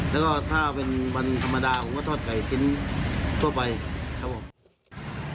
แล้วก็ถ้าเป็นวันธรรมดาผมก็ทอดไก่ชิ้นทั่วไปครับผม